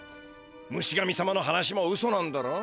ムシ神様の話もウソなんだろ？